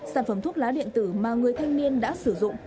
sản phẩm thuốc lá điện tử mà người thanh niên đã sử dụng